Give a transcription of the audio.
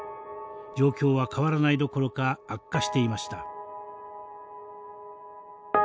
状況は変わらないどころか悪化していました。